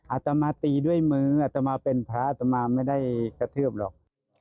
อาตมาตีด้วยมืออัตมาเป็นพระอัตมาไม่ได้กระทืบหรอก